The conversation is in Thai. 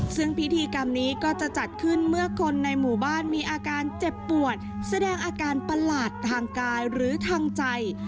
ซึ่งพิธีกรรมนี้ก็จะจัดขึ้นเมื่อคนในหมู่บ้านมีอาการเจ็บปวดแสดงอาการประหลาดทางกายหรือทางใจ